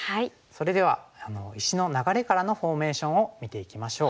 それでは石の流れからのフォーメーションを見ていきましょう。